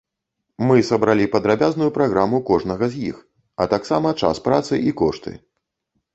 Мы сабралі падрабязную праграму кожнага з іх, а таксама час працы і кошты.